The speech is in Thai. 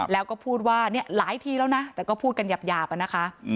แล้วก็พูดว่าเนี่ยหลายทีแล้วนะแต่ก็พูดกันหยาบอะนะคะ